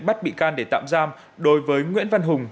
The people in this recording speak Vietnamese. bắt bị can để tạm giam đối với nguyễn văn hùng